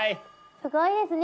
すごいですね